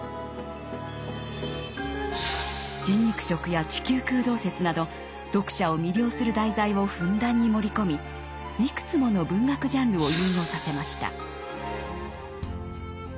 人肉食や地球空洞説など読者を魅了する題材をふんだんに盛り込みいくつもの文学ジャンルを融合させました。